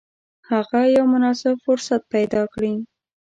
هغه یو مناسب فرصت پیدا کړي.